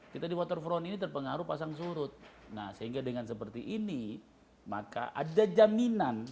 kita di waterfront ini terpengaruh pasang surut nah sehingga dengan seperti ini maka ada jaminan